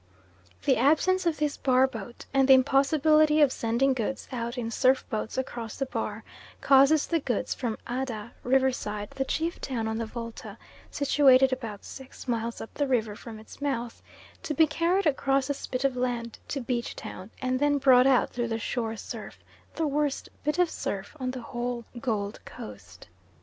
The absence of this bar boat, and the impossibility of sending goods out in surf boats across the bar, causes the goods from Adda (Riverside), the chief town on the Volta, situated about six miles up the river from its mouth, to be carried across the spit of land to Beach Town, and then brought out through the shore surf the worst bit of surf on the whole Gold Coast.